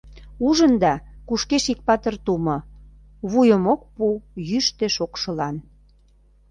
Ужында, кушкеш ик патыр тумо, Вуйым ок пу йӱштӧ-шокшылан.